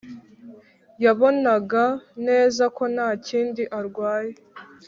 yabonaga neza ko nta kindi arwaye.